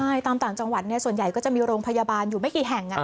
ใช่ตามต่างจังหวัดส่วนใหญ่ก็จะมีโรงพยาบาลอยู่ไม่กี่แห่ง